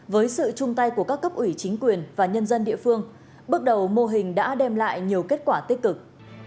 với sự chung tay của các cấp ủy chính quyền và nhân dân địa phương bước đầu mô hình đã đem lại nhiều kết quả tích cực